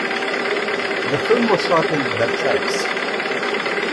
The film was shot in the Berkshires.